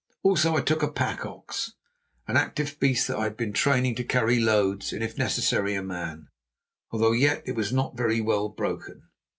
Also, I took a pack ox, an active beast that I had been training to carry loads and, if necessary a man, although as yet it was not very well broken.